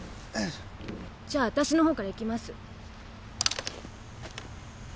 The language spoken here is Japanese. じゃあたしのほうから行きます。